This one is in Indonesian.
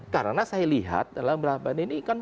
karena saya lihat dalam berapa ini kan